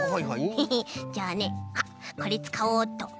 ヘヘッじゃあねあっこれつかおうっと。